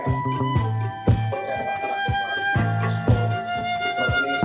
jangan lupa jangan lupa jangan lupa jangan lupa